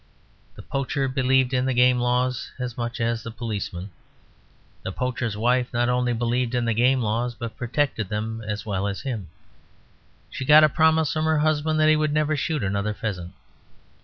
The poacher believed in the Game Laws as much as the policeman. The poacher's wife not only believed in the Game Laws, but protected them as well as him. She got a promise from her husband that he would never shoot another pheasant.